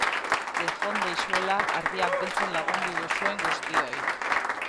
Bejondeizuela ardiak biltzen lagundu duzuen guztioi!